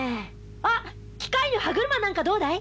あっ機械の歯車なんかどうだい？